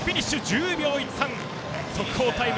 １０秒１３、速報タイム。